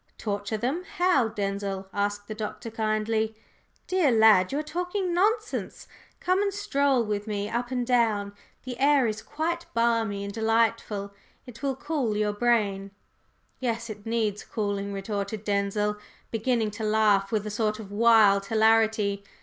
"Torture them how, Denzil?" asked the Doctor, kindly. "Dear lad, you are talking nonsense. Come and stroll with me up and down; the air is quite balmy and delightful; it will cool your brain." "Yes, it needs cooling!" retorted Denzil, beginning to laugh with a sort of wild hilarity.